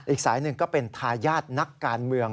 อีกสายหนึ่งก็เป็นทายาทนักการเมือง